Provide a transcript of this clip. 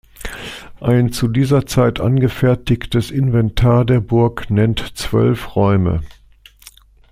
Ein zu dieser Zeit angefertigtes Inventar der Burg nennt zwölf Räume.